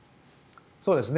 そうですね。